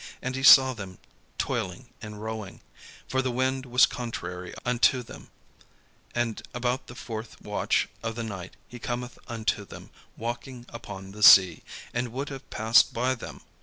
And he saw them toiling in rowing; for the wind was contrary unto them: and about the fourth watch of the night he cometh unto them, walking upon the sea, and would have passed by them.